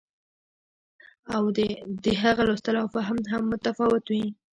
د هغه لوستل او فهم هم متفاوت وي.